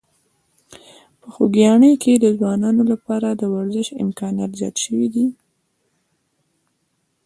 په خوږیاڼي کې د ځوانانو لپاره د ورزش امکانات زیات شوي دي.